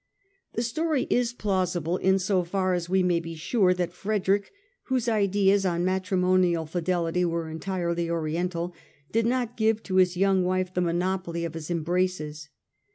The story is plausible in so far as we may be sure that Frederick, whose ideas on matrimonial fidelity were entirely Oriental, did not give to his young wife the monopoly of his embraces.